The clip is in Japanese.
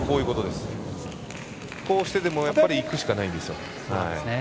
こうしてでもいくしかないんですよ。